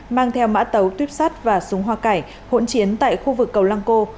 mang theo mã tấu tuyếp sắt và súng hoa cải hỗn chiến tại khu vực cầu lăng cô